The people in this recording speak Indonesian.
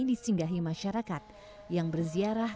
disinggahi masyarakat yang berziarah